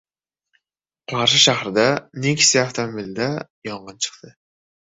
Qarshi shahrida "Neksiya" avtomobilida yong‘in chiqdi